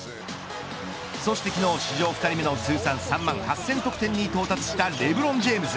そして昨日史上２人目の通算３万８０００得点に到達したレブロン・ジェームズ。